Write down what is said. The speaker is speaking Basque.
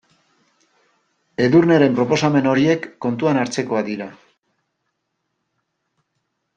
Edurneren proposamen horiek kontuan hartzekoak dira.